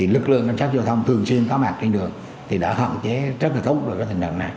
lực lượng cảnh sát giao thông thường xuyên có mặt trên đường thì đã khẳng chế rất là tốt